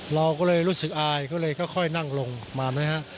เราก็เลยรู้สึกอายก็เลยค่อยนั่งลงมานะฮะ